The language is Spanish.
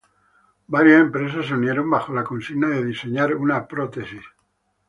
Varias empresas se unieron bajo la consigna de diseñar una prótesis.